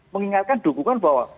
mengingatkan dukungan bahwa